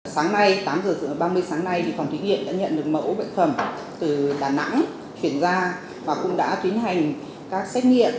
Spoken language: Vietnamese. sáng nay tám h ba mươi sáng nay phòng thí nghiệm đã nhận được mẫu bệnh phẩm từ đà nẵng chuyển ra và cũng đã tiến hành các xét nghiệm